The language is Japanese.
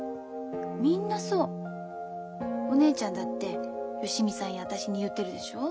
お姉ちゃんだって芳美さんや私に言ってるでしょう？